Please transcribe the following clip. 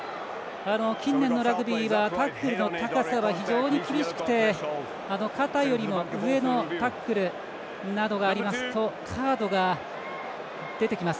近年のラグビーはタックルの高さは非常に厳しくて肩よりも上のタックルなどがありますとカードが出てきます。